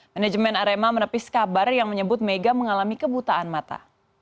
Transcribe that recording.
manajemen arema menepis kabar yang menyebut mega mengalami kebutaan mata